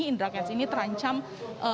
indra kents ini terancam